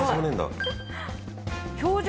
表情